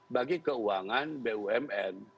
bagi keuangan bumn